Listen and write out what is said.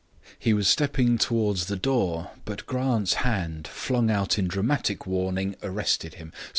He was stepping towards the door, but Grant's hand, flung out in dramatic warning, arrested him.